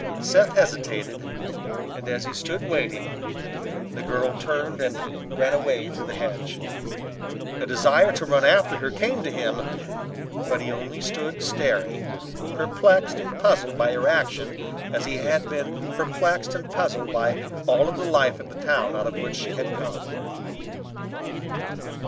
Seth hesitated and, as he stood waiting, the girl turned and ran away through the hedge. A desire to run after her came to him, but he only stood staring, perplexed and puzzled by her action as he had been perplexed and puzzled by all of the life of the town out of which she had come.